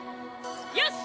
よし！